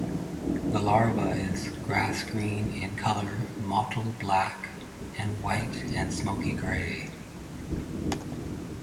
The larva is grass green in colour, mottled black and white and smoky grey.